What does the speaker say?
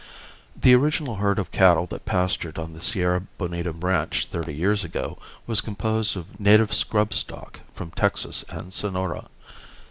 The original herd of cattle that pastured on the Sierra Bonita ranch thirty years ago was composed of native scrub stock from Texas and Sonora.